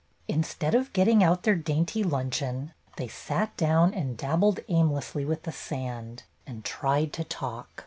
Instead of getting out their dainty luncheon, THE PICNIC 37 they sat down and dabbled aimlessly with the sand, and tried to talk.